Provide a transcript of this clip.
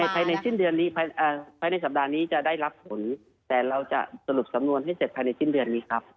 ภายในสิ้นเดือนนี้ภายในสัปดาห์นี้จะได้รับผลแต่เราจะสรุปสำนวนให้เสร็จภายในสิ้นเดือนนี้ครับ